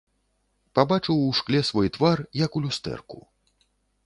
Пабачыў у шкле свой твар, як у люстэрку.